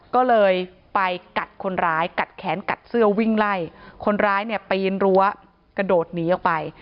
ก็เลยไปกัดคนร้ายกัดแขนกัดเสื้อวิ่งไล่คนร้ายเนี่ยปีนรั้วกระโดดหนีออกไป